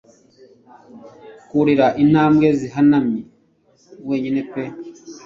Kurira intambwe zihanamye wenyine pe